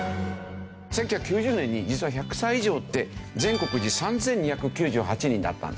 １９９０年に実は１００歳以上って全国に３２９８人だったんですね。